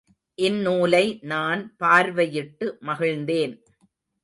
இந்நூலை நான் பார்வையிட்டு மகிழ்ந்தேன்.